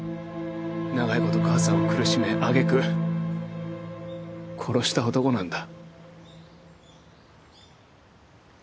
長いこと母さんを苦しめ揚げ句殺した男なんだ。